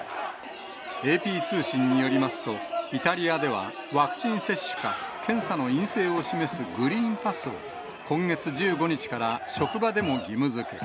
ＡＰ通信によりますと、イタリアではワクチン接種か、検査の陰性を示すグリーンパスを、今月１５日から職場でも義務づけ。